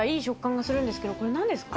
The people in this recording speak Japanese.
これ何ですか？